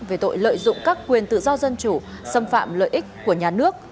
về tội lợi dụng các quyền tự do dân chủ xâm phạm lợi ích của nhà nước